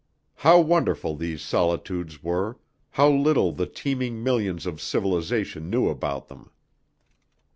How wonderful these solitudes were, how little the teeming millions of civilization knew about them!